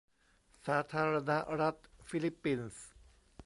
สาธารณรัฐฟิลิปปินส์